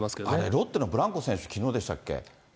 ロッテのブランコ選手、きのうでしたっけ。